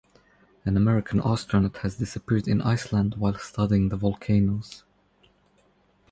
An American astronaut has disappeared in Iceland while studying the volcanoes.